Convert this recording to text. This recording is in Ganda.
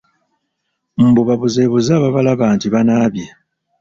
Mbu babuzeebuze ababalaba nti banaabye.